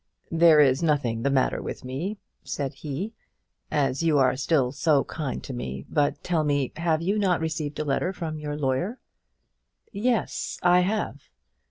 "There is nothing the matter with me," said he, "as you are still so kind to me. But tell me, have you not received a letter from your lawyer?" "Yes, I have."